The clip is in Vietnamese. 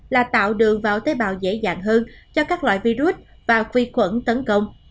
là tạo đường vào tế bào dễ dàng hơn cho các loại virus và vi khuẩn tấn công